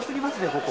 ここ。